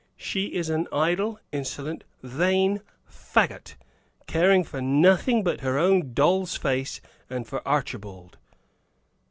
"She is an idle, insolent, vain fagot, caring for nothing but her own doll's face and for Archibald."